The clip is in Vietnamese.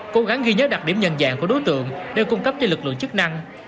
cố gắng ghi nhớ đặc điểm nhận dạng của đối tượng để cung cấp cho lực lượng chức năng